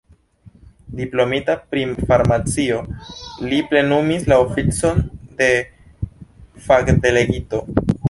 Diplomita pri farmacio, li plenumis la oficon de fakdelegito.